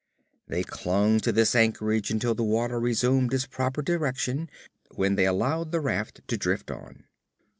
They clung to this anchorage until the water resumed its proper direction, when they allowed the raft to drift on.